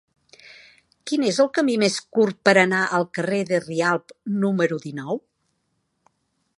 Quin és el camí més curt per anar al carrer de Rialb número dinou?